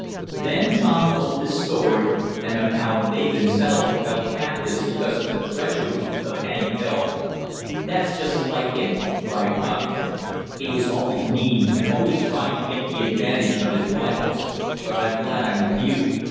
Then Tom told his story, and of how they themselves were held captives because of the treachery of Hank Delby. "That's just like him!" cried Poddington. "He was always mean, and always trying to get the advantage of his rivals. But I'm glad I'm with you.